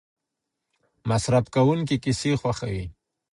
مصرف کوونکي کیسې خوښوي.